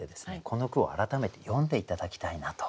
この句を改めて読んで頂きたいなと。